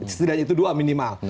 setidaknya itu dua minimal